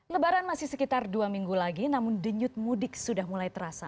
lebaran masih sekitar dua minggu lagi namun denyut mudik sudah mulai terasa